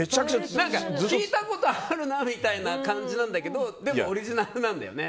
聞いたことあるなみたいな感じなんだけどでも、オリジナルなんだよね。